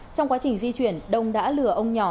trong quá trình di chuyển đông đã lừa ông nhỏ